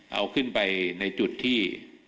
เอาขึ้นไปในจุดที่